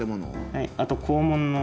はいあと校門の。